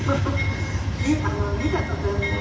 見た途端にね。